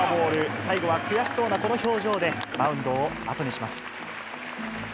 最後は悔しそうなこの表情で、マウンドを後にします。